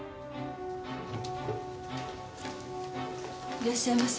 いらっしゃいませ。